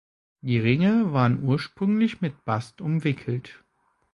Die Ringe waren ursprünglich mit Bast umwickelt.